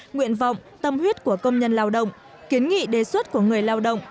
nguyện vọng tâm huyết của công nhân lao động kiến nghị đề xuất của người lao động